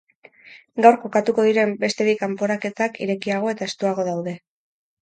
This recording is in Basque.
Gaur jokatuko diren beste bi kanporaketak irekiago eta estuago daude.